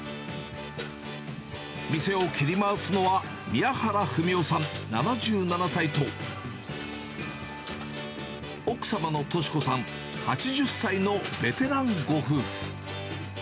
店を切り回すのは、宮原文雄さん７７歳と、奥様の敏子さん８０歳のベテランご夫婦。